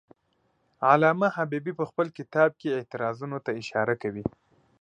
علامه حبیبي په خپل کتاب کې اعتراضونو ته اشاره کوي.